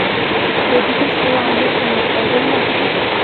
Вредительствылан луктыныт огыл мо?